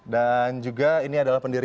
dan juga ini adalah pendiri